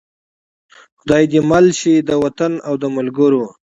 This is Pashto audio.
خدای دې مل شي د وطن او د ملګرو.